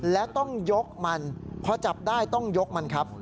แล้วต้องยกมันพอจับได้ต้องยกมันครับ